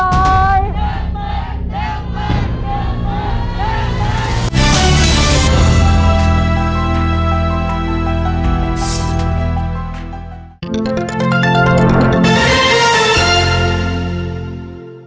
โปรดติดตามตอนต่อไป